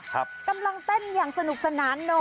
กำลังเต้นอย่างสนุกสนานเนอะ